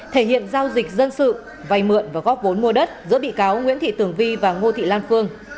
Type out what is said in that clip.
thể hiện giao dịch dân sự vay mượn và góp vốn mua đất giữa bị cáo nguyễn thị tường vi và ngô thị lan phương